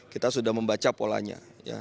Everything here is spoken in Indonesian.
kita sudah membaca polanya